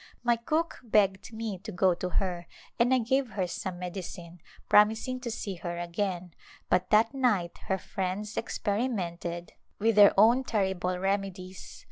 My cook begged me to go to her and I gave her some medicine, promising to see her again, but that night her friends experimented with A Glimpse of Lidia their own terrible remedies.